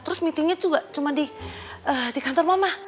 terus meetingnya cuma di kantor mama